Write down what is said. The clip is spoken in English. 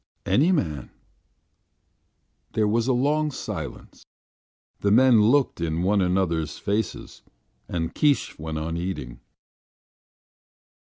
"Any man." There was a long silence. The men looked in one another's faces, and Keesh went on eating.